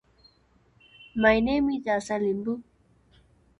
Other acts at the same fair included John Henry Anderson.